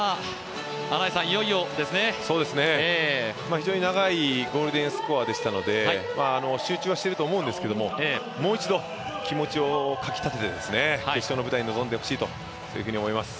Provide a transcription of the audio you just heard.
非常に長いゴールデンスコアでしたので集中はしていると思うんですが、もう一度、気持ちをかき立てて決勝の舞台に臨んでほしいと思います。